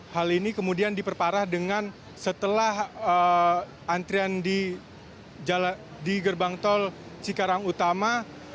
hal ini kemudian diperparah dengan setelah antrian di gerbang tol cikarang utama